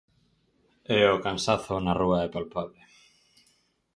E o cansazo na rúa é palpable...